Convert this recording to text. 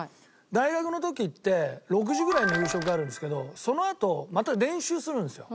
大学の時って６時ぐらいに夕食があるんですけどそのあとまた練習するんですよ。